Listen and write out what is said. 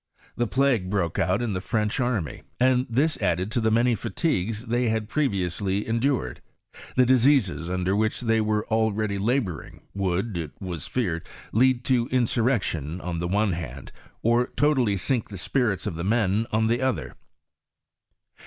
The plague broke out in the French army, and this, added to the many fatigues they had previously en dured, tlie diseases under which they were already labouring, would, it was feared, lead to insurrec tion OD the one hand, or totally aink the spirits of the men on the other.